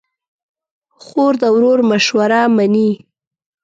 خور د ورور مشوره منې.